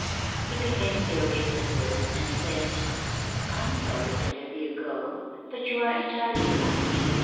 He became serious at this and said, "I'm sorry to have you go but you are entirely right.